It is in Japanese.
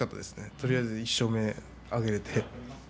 とりあえず１勝目を挙げられて。